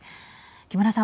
木村さん。